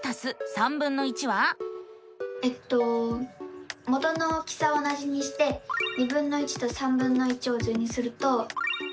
えっと元の大きさは同じにしてとを図にすると。